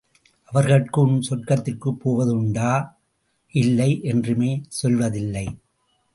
அவர்கள் உன் சொர்க்கத்திற்குப் போவதுண்டா? இல்லை, என்றுமே செல்வதில்லை.